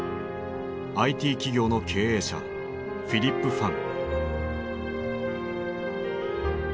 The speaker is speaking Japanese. ＩＴ企業の経営者フィリップ・ファン。